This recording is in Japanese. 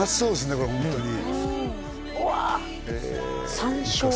これホントにうわ三升漬？